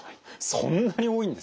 そんなに多いんですね。